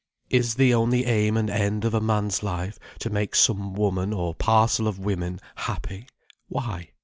Is the only aim and end of a man's life, to make some woman, or parcel of women, happy? Why?